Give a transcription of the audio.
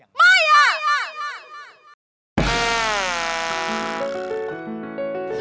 ไม่อะไม่อะ